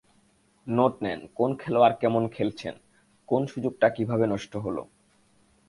Note নেন কোন খেলোয়াড় কেমন খেলছেন, কোন সুযোগটা কীভাবে নষ্ট হলো।